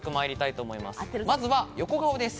まずは横顔です。